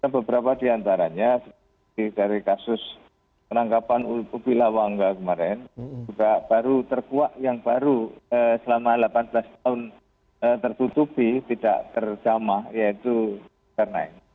beberapa diantaranya dari kasus penangkapan ubi lawangga kemarin juga baru terkuat yang baru selama delapan belas tahun tertutupi tidak terjamah yaitu jurnal nain